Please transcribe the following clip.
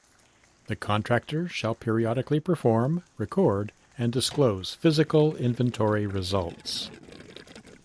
The Contractor shall periodically perform, record, and disclose physical inventory results.